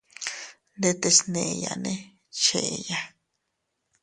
Ndetes neʼeyane cheya.